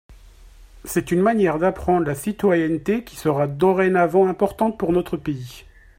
C’est une manière d’apprendre la citoyenneté qui sera dorénavant importante pour notre pays.